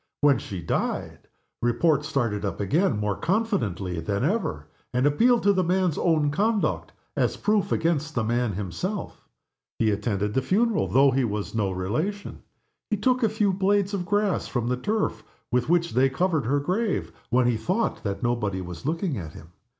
When she died Report started up again more confidently than ever, and appealed to the man's own conduct as proof against the man himself. He attended the funeral though he was no relation. He took a few blades of grass from the turf with which they covered her grave when he thought that nobody was looking at him.